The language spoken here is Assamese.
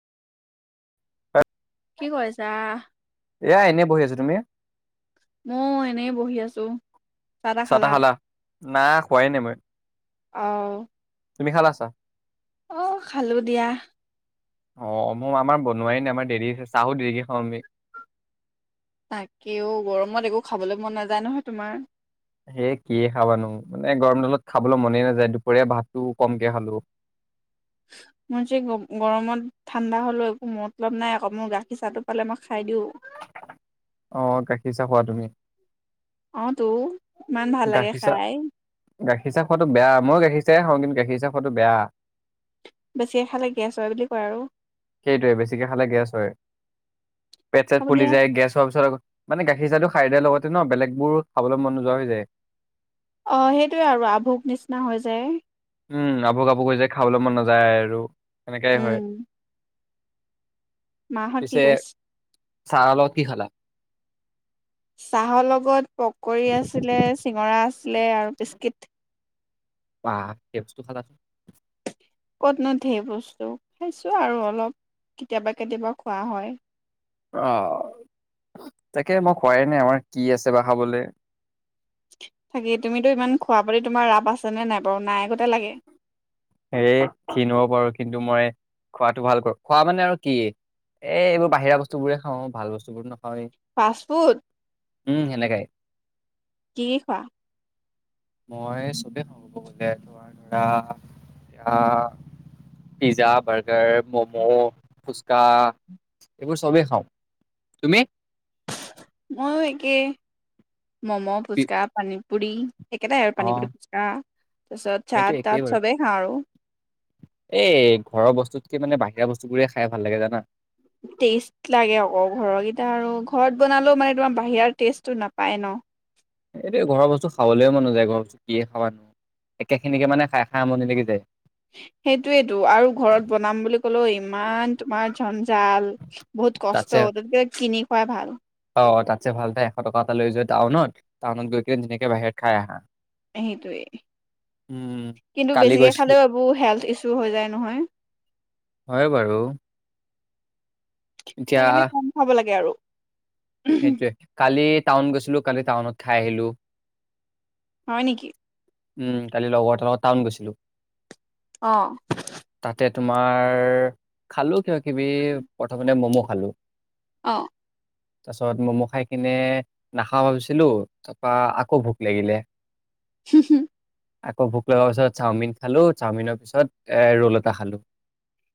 হয়। কি কৰিছা? এয়া এনেই বহি আছো তুমি মই এনেই বহি আছো চাদা চাহ তাহ খালা না খোৱাই নাই মই অহ তুমি খাল আছা অ খালো দিয়া অ মই আমাৰ বনোৱাৰি ন আমাৰ দেৰি আছে চাহো দেৰিকেইখন আমি তাকেও গৰমত একো খাবলৈ মন নাযায় নহয় তোমাৰ সেই কিযে খাবানো মানে গৰম দালত খাবলৈ মনেই নাযায় দুপৰীয়া ভাতটো কমকে খালো মই যে গৰমত ঠাণ্ডা হলেও একো মতলব নাই আকৌ মোৰ গাখীৰ চাহটো পালে মই খাই দিওঁ আহ গাখীৰ চা খোৱা তুমি ত গাখীৰ চা গাখীৰ চাহ খোৱাতটো বেয়া মই গাখীৰ হওঁ কিন্তু গাখীৰ হি চাাপটো বেয়া বেছি এ খাল গ আছ হয় বুলি কয় আৰু সেইটোৱে বেছিকে খালে গেছ হয় পেট চট হ'ব পুলি দিয়া। যায় গেছ হোৱাৰ পিছৰ মানে গাখীৰ চাহটো খাই দিয়াৰ লগতে ন বেলেগ বোৰ খাবলেমন নোযোৱা হৈ যায় অ সেইটোয়ে আৰু আভোক নিচিনা হৈ যায় উম আবু আভু হৈ যায় খাবলৈ মন নাযায় আৰু এনেকাই উম। হয় মাহঁত কি কৰিছে চাৰল কি খালা চাহৰ লগত পকৰী আছিলে চিঙৰাছ ছিলে আৰু বিস্কিট বা পটোখালা যে ক'তনতে বস্তু খাইছো আৰু অলপ কেতিয়াবা কেতিয়াবা খোৱা হয় আহ তাকে মই খোৱাই নাই আমাৰ কি আছে বা খাবলৈ থাকি তুমিতো ইমান খোৱা বুলি তোমাৰ ৰাপ আছেনেে নাই বাৰু নাই আগতে লাগে হেই ক্ষিন হব পাৰো কিন্তু মই খোৱাটো ভাল কৰো খোৱা মানে আৰু কি এই এইবোৰ বাহিৰা বস্তু বোৰে খাওঁ ভাল বস্তু বোৰ ন ফাষ্টফুড সেনেকাই। কি খোৱা মই চবেই সম ক বলে তমাৰ ধৰা এয়া পিজ্জা বাৰ্গাৰ ম'ম' ফুচকা এইবোৰ চবেই খাওঁ তুমি ময়ো একে ম'ম' ফুচকা পানী পু়ৰি একেটাই আৰু পানী পুট অ', পিচা তাৰপিছত চাহ সেইটো তাত একেই বাৰু। চবেই খাওঁ আৰু এই ঘৰৰ বস্তুতকে মানে বাহিৰা বস্তু বোৰে খাই ভাল লাগে জানা। টেষ্ট লাগে আকৌ ঘৰৰকেইটা আৰু ঘৰত বনালেও মানে তোমাৰ বাহৰা টেষ্টটো নাপায় ন। এইটো ঘৰৰ বস্তু খাবলৈয় মন নযায় ঘৰৰ বস্তু কিয়ে খাবা নো একেখিনিকে মানে খাই খাই আমনি লাগি যায়। সেইটোৱেটো আৰু ঘৰত বনাম বুলি ক'লেও ইমান তোমাৰ ঝঞ্জাল বহুত কষ্ট তাতছে তাতকে কিনি খোৱাই ভাল। অ তাতছে ভাল তাই এশ টকা এটা লৈ যোৱা টাউনত, টাউনত গৈ কিনে ধুনীয়াকে বাহিৰত খাই আহা। সেইটোৱে উম কিন্তু কালি বেছিকে গৈছিলো খালে বাবু হেল্থ ইছু হৈ যায় নহয়। হয় বাৰু সেইকাৰণে কম খাব লাগে আৰু। সেইটোয়ে কালি টাউন গৈছিলো কালি টাউনত খাই আহিলো। হয় নিকি। উম কালি লগৰ লগত টাউন গৈছিলো। আহ। তাতে তোমাৰ, খালো কিবা কিবি প্ৰথমে ম'ম' ভালো অ। তাৰিছত ম'ম' খাই কিনে নাখাওঁ ভাবিছিলো তাৰপা আকৌ ভোক লাগিলে। হহ আকৌ ভোক লগা পিছত চাওমিন খালো, চাওমিনৰ পিছত এ ৰোল এটা খালোঁ।